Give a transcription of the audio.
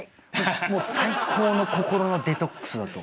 もう最高の心のデトックスだと。